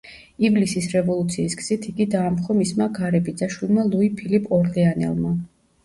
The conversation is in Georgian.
ივლისის რევოლუციის გზით იგი დაამხო მისმა გარე ბიძაშვილმა ლუი ფილიპ ორლეანელმა.